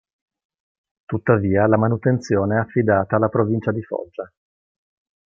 Tuttavia la manutenzione è affidata alla provincia di Foggia.